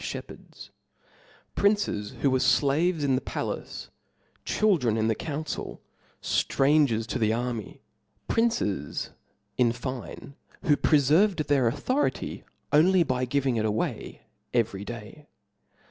fliepherds; princes who were flaves in the palace, chil dius and . dren in the council, ftrangersto thearmy, princes, inHononus. fine, who preferved their authority only by giving it * away every day.